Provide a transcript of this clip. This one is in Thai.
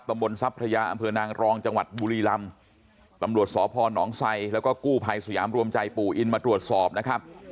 ตำบลทรัพยาอำเภอนางรองจังหวัดบุรีลำตำรวจสพนไซแล้วก็กู้ภัยสยามรวมใจปู่อินมาตรวจสอบนะครับ